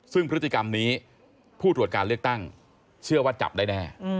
ซึ่งพฤติกรรมนี้ผู้ตรวจการเลือกตั้งเชื่อว่าจับได้แน่